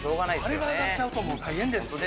あれが上がっちゃうと、もう大変です。